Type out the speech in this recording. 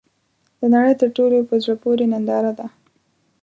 د نړۍ تر ټولو ، په زړه پورې ننداره ده .